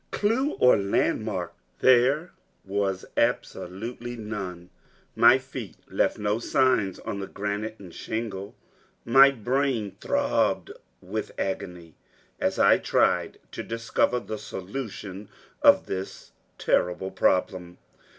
Clue or landmark there was absolutely none! My feet left no signs on the granite and shingle. My brain throbbed with agony as I tried to discover the solution of this terrible problem.